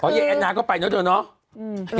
เฮยแนนาก็ไปเถอะเนอะ